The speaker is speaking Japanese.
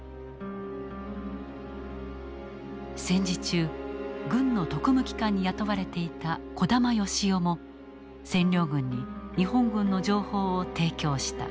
戦時中軍の特務機関に雇われていた児玉誉士夫も占領軍に日本軍の情報を提供した。